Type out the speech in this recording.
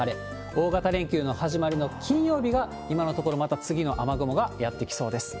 大型連休の始まりの金曜日が今のところ、また次の雨雲がやって来そうです。